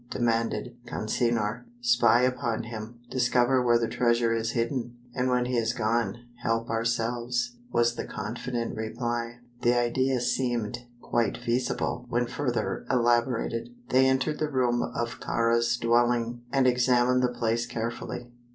demanded Consinor. "Spy upon him; discover where the treasure is hidden, and when he is gone, help ourselves," was the confident reply. The idea seemed quite feasible when further elaborated. They entered the room of Kāra's dwelling and examined the place carefully.